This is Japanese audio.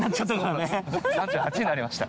３８になりました。